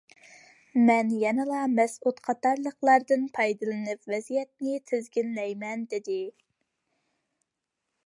مەن يەنىلا مەسئۇد قاتارلاردىن پايدىلىنىپ ۋەزىيەتنى تىزگىنلەيمەن، دېدى.